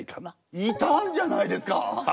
いたんじゃないですか！